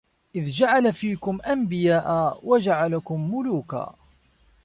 إذْ جَعَلَ فِيكُمْ أَنْبِيَاءَ وَجَعَلَكُمْ مُلُوكًا